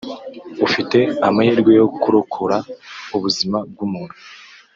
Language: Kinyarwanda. ufite amahirwe yo kurokora ubuzima bwumuntu.